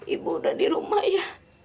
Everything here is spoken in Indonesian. ibu udah di rumah ya